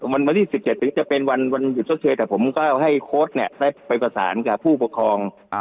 วันที่๑๗ถึงจะเป็นวันหยุดชดเชยแต่ผมก็ให้โค้ดเนี่ยได้ไปประสานกับผู้ปกครอง